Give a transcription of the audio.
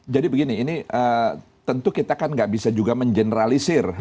jadi begini tentu kita kan nggak bisa juga mengeneralisir